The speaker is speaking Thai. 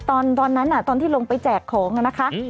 ตอนนั้นตอนที่ลงไปแจกของนะคะ